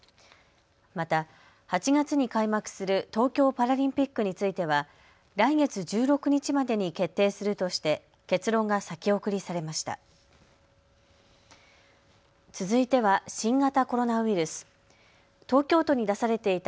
また８月に開幕する東京パラリンピックについては来月１６日までに決定するとして結論が先送りされました。